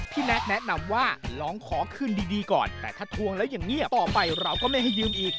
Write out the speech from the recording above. แน็ตแนะนำว่าลองขอคืนดีก่อนแต่ถ้าทวงแล้วอย่างเงียบต่อไปเราก็ไม่ให้ยืมอีก